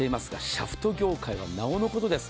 シャフト業界はなおのことです。